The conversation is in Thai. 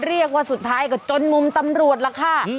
เรียกว่าสุดท้ายกับจนมุมตำรวจแล้วค่ะ